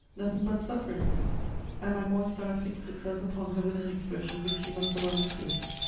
'Nothing but sufferings!' "And my moist eye fixed itself upon her with an expression which she must have understood.